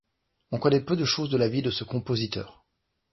On connaît peu de choses de la vie de ce compositeur.